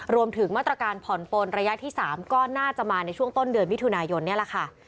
รวมถึงมาตรการผ่อนปนระยะที่๓ก็น่าจะมาในช่วงต้นเดือนมิถุนายนนี่แหละค่ะ